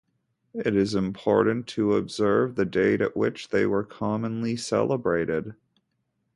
It is important to observe the date at which they were commonly celebrated.